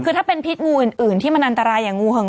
คือถ้าเป็นพิษงูอื่นที่มันอันตรายอย่างงูเห่า